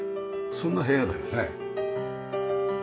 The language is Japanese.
そんな部屋だよね。